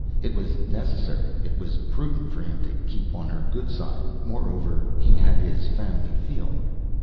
It was necessary, it was prudent, for him to keep on her good side. Moreover, he had his family feeling.